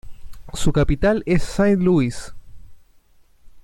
Su capital es Saint-Louis.